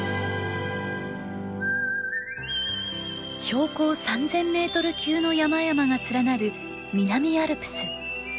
標高３，０００メートル級の山々が連なる南アルプス。